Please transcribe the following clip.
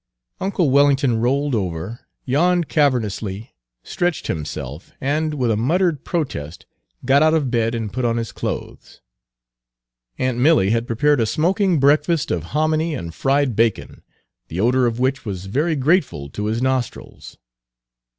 Uncle Wellington rolled over, yawned cavernously, stretched himself, and with a muttered protest got out of bed and put on his clothes. Aunt Milly had prepared a smoking breakfast of hominy and fried bacon, the odor of which was very grateful to his nostrils.